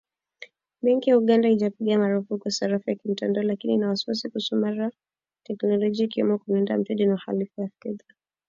Benki ya Uganda haijapiga marufuku sarafu ya kimtandao lakini ina wasiwasi kuhusu madhara ya kiteknolojia ikiwemo kumlinda mteja, na uhalifu wa kifedha.